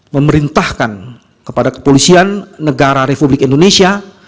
memerintahkan kepada kepolisian negara republik indonesia